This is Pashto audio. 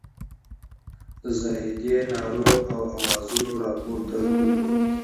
د زاهدي نارو او اوازونو راپورته کړلو.